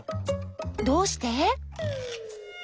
どうして？